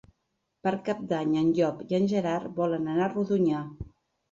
Per Cap d'Any en Llop i en Gerard volen anar a Rodonyà.